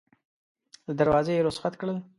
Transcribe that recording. له دروازې یې رخصت کړل.